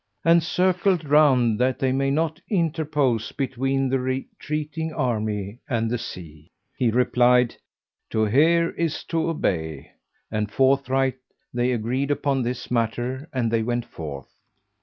and circle round that they may not interpose between the retreating army and the sea." He replied, "To hear is to obey!"; and forthright they agreed upon this matter and they went forth.